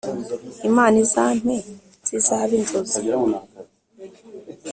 Imana izampe zizabe inzozi.